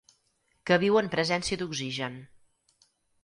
Que viu en presència d'oxigen.